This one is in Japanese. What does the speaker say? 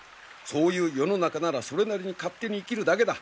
そういう世の中ならそれなりに勝手に生きるだけだ。